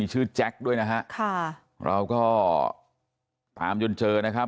แจ็คด้วยนะฮะค่ะเราก็ตามจนเจอนะครับ